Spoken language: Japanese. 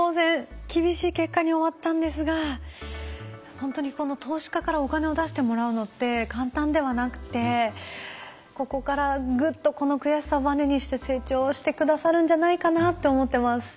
ほんとにこの投資家からお金を出してもらうのって簡単ではなくてここからグッとこの悔しさをバネにして成長して下さるんじゃないかなって思ってます。